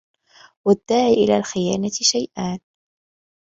وَالدَّاعِي إلَى الْخِيَانَةِ شَيْئَانِ